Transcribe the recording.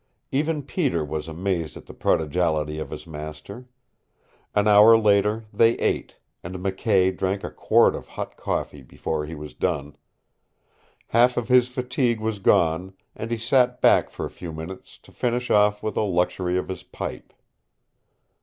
Even Peter was amazed at the prodigality of his master. An hour later they ate, and McKay drank a quart of hot coffee before he was done. Half of his fatigue was gone and he sat back for a few minutes to finish off with the luxury of his pipe.